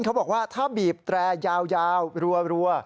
เขาบอกว่าถ้าบีบแตรยาวรัว